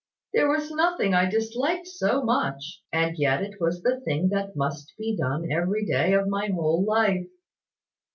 There was nothing I disliked so much; and yet it was the thing that must be done every day of my whole life."